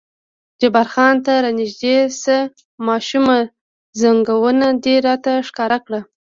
جبار خان: ته را نږدې شه ماشومه، زنګون دې راته ښکاره کړه.